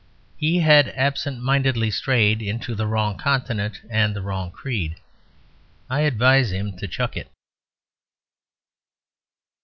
He had absent mindedly strayed into the wrong continent and the wrong creed. I advise him to chuck it.